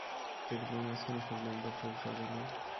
টেবিলের মাঝখানে ফুলদানিতে ফুল সাজানো।